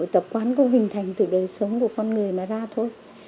tập quán cũng hình thành từ đời sống của con người mà ra thôi